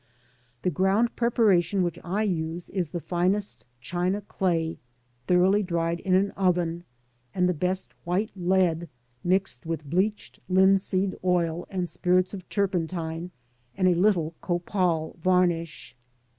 The ground preparation which I use is the finest china clay, thoroughly dried in an oven, and the best white lead, mixed with bleached linseed oil and spirits of turpentine, and a little copal varnish.